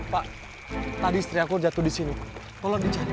pak tadi istri aku jatuh di sini pak tolong dicari